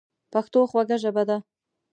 پښتو خوږه ژبه ده.